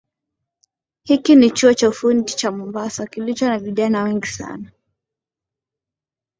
Hiki ni chuo cha ufundi cha Mombasa kilicho na vijana wengi sana.